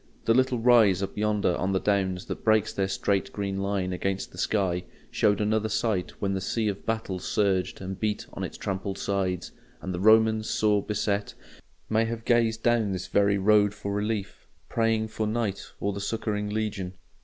The little rise up yonder on the Downs that breaks their straight green line against the sky showed another sight when the sea of battle surged and beat on its trampled sides; and the Roman, sore beset, may have gazed down this very road for relief, praying for night or the succouring legion.